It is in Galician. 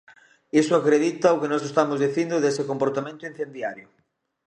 Iso acredita o que nós estamos dicindo dese comportamento incendiario.